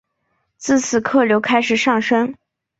自此客流开始上升。